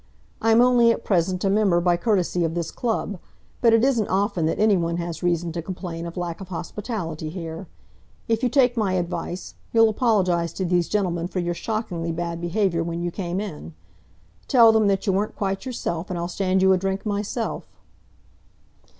I am only at present a member by courtesy of this club, but it isn't often that any one has reason to complain of lack of hospitality here. If you take my advice, you'll apologise to these gentlemen for your shockingly bad behaviour when you came in. Tell them that you weren't quite yourself, and I'll stand you a drink myself."